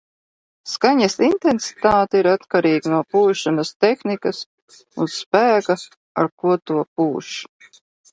Skaņas intensitāte ir atkarīga no pūšanas tehnikas un spēka, ar ko to pūš.